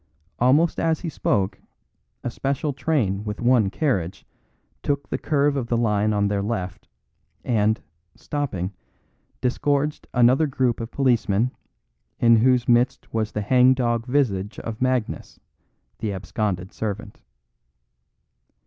Almost as he spoke a special train with one carriage took the curve of the line on their left, and, stopping, disgorged another group of policemen, in whose midst was the hangdog visage of Magnus, the absconded servant.